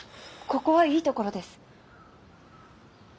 ここはいいところです。